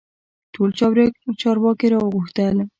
ټول چارواکي را وغوښتل.